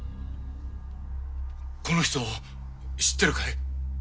この人知ってるかい？